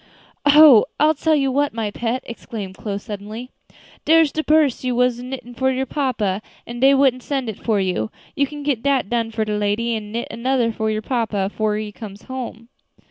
"Oh! I'll tell you what, my pet," exclaimed Chloe suddenly, "dere's de purse you was aknittin' for your papa, an' dey wouldn't send it for you; you can get dat done for de lady, and knit another for your papa, 'fore he comes home."